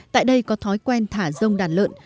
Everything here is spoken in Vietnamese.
tại đây có thói quen thả rông đàn lợn